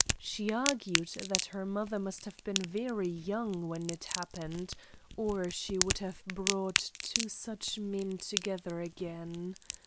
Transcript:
She argued that her mother must have been very young when it happened, or she would have brought two such men together again.